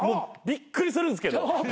びっくりするんすけど。